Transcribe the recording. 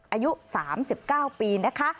อายุ๓๙ปีนะคะ